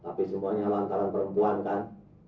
tapi semuanya lantaran perempuan kan